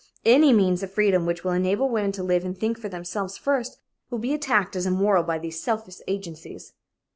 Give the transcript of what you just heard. Any means of freedom which will enable women to live and think for themselves first, will be attacked as immoral by these selfish agencies.